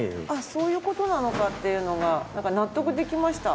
そういう事なのかっていうのがなんか納得できました。